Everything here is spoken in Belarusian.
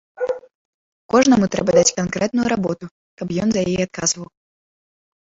Кожнаму трэба даць канкрэтную работу, каб ён за яе адказваў.